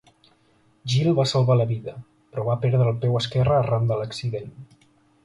Gil va salvar la vida, però va perdre el peu esquerre arran de l'accident.